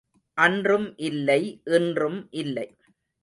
அன்றும் இல்லை இன்றும் இல்லை.